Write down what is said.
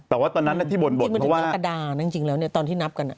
แต่ว่าตอนนั้นที่บ่นบ่นว่าว่าจริงมันถึงนักกระดานั้นจริงแล้วตอนที่นับกัน